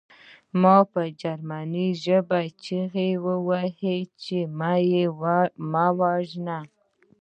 ما په جرمني ژبه چیغې وهلې چې ما ووژنه